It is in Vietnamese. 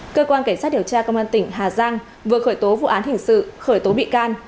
cơ quan cảnh sát điều tra công an tỉnh hà giang vừa khởi tố vụ án hình sự khởi tố bị can